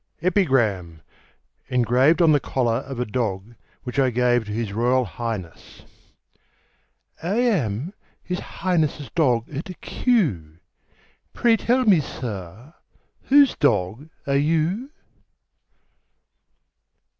EPIGRAM, ENGRAVED ON THE COLLAR OF A DOG WHICH I GAVE TO HIS ROYAL HIGHNESS. I am His Highness' dog at Kew; Pray tell me, sir, whose dog are you?